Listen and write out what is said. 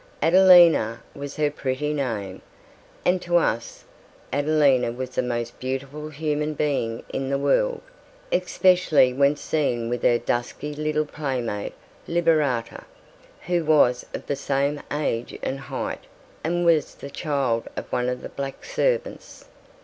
Adelina was her pretty name, and to us Adelina was the most beautiful human being in the world, especially when seen with her dusky little playmate Liberata, who was of the same age and height and was the child of one of the black servants.